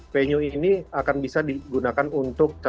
venue ini akan bisa digunakan untuk cawan cawan